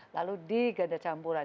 lalu di ganda campuran